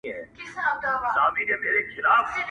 داسي ژوند کي لازمي بولمه مینه,